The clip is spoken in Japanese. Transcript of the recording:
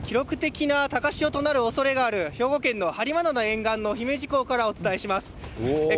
記録的な高潮となるおそれがある兵庫県の播磨灘沿岸の姫路港からお伝えします。